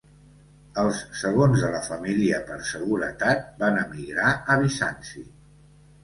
Els segons de la família, per seguretat, van emigrar a Bizanci.